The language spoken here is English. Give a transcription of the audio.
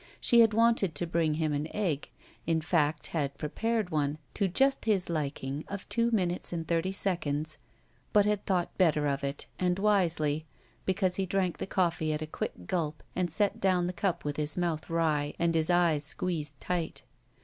She had wanted to bring him an egg — in fact, had prepared one, to just his liking of two minutes and thirty seconds — but had thought better of it, and wisely, because he drank the coffee at a quick gulp and set down the cup with his mouth wry and his eyes squeezed tight.